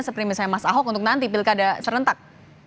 seperti misalnya mas ahok untuk nanti pilkada serentak